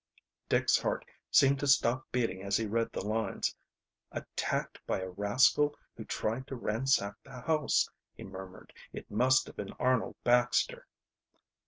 Dick's heart seemed to stop beating as he read the lines. "Attacked by rascal who tried to ransack the house," he murmured. "It must have been Arnold Baxter."